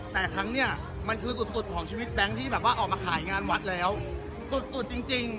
แต่ครั้งนี้มันคือสุดของชีวิตแบงค์ที่แบบว่าออกมาขายงานวัดแล้วสุดสุดจริง